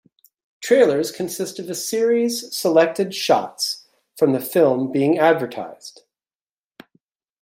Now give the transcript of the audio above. Trailers consist of a series selected shots from the film being advertised.